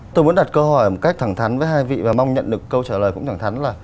tôi muốn đặt câu hỏi một cách thẳng thắn với hai vị và mong nhận được câu trả lời cũng thẳng thắn là